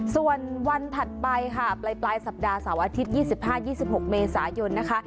ส่วนวันถัดไปค่ะปลายสัปดาห์เสาร์อาทิตย์๒๕๒๖เมษายนนะคะ